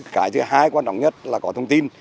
cái thứ hai quan trọng nhất là có thông tin